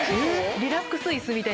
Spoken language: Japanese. リラックス椅子みたい。